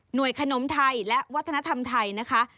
ขนมไทยและวัฒนธรรมไทยนะคะ